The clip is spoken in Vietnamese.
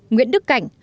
nguyễn đức cảnh